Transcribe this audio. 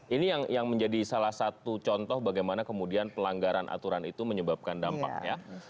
ini yang menjadi salah satu contoh bagaimana kemudian pelanggaran aturan itu menyebabkan dampak ya